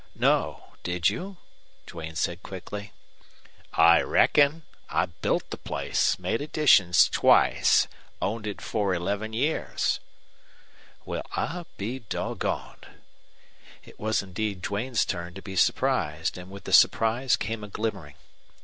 "No. Did you?" Duane said, quickly. "I reckon. I built the place, made additions twice, owned it for eleven years." "Well, I'll be doggoned." It was indeed Duane's turn to be surprised, and with the surprise came a glimmering.